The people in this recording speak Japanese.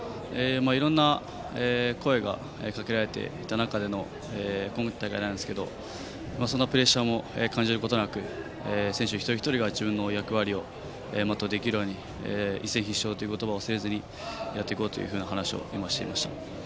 いろんな声がかけられていた中での今大会なんですけどそんなプレッシャーも感じることなく選手一人一人が自分の役割をまっとうできるように一戦必勝という言葉を忘れずにやっていこうという話を今していました。